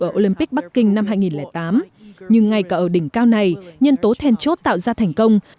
olympic bắc kinh năm hai nghìn tám nhưng ngay cả ở đỉnh cao này nhân tố then chốt tạo ra thành công